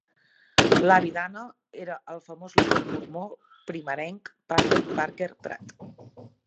L'avi d'Anna era el famós líder Mormó primerenc Parley Parker Pratt.